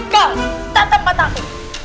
kak tatap patahku